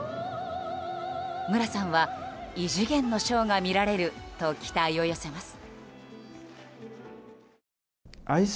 無良さんは異次元のショーが見られると期待を寄せます。